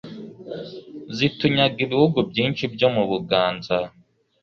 zitunyaga ibihugu byinshi byo mu Buganza,